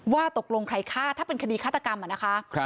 ว่าตกลงใครฆ่าถ้าเป็นคดีฆาตกรรมอะนะคะ